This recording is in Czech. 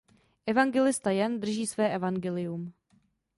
Evangelista Jan drží své evangelium.